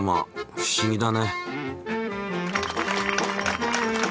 不思議だね。